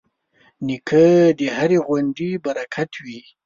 نیکه د هرې غونډې برکت وي.